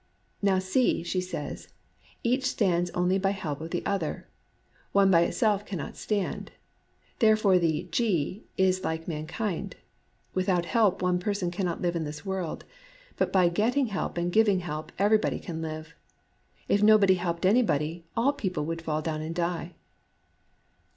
" Now see," she says :" each stands only by help of the other. One by itseK cannot stand. Therefore the ji is like mankind. Without help one person cannot live in this world ; but by getting help and giving help everybody can live. If no body helped anybody, all people would fall down and die."